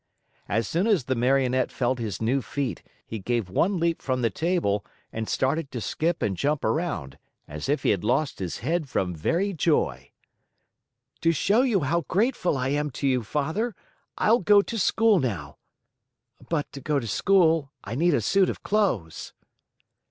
As soon as the Marionette felt his new feet, he gave one leap from the table and started to skip and jump around, as if he had lost his head from very joy. "To show you how grateful I am to you, Father, I'll go to school now. But to go to school I need a suit of clothes."